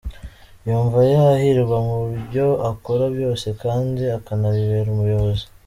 Yumva yahirwa mu byo akora byose kandi akanabibera umuyobozi.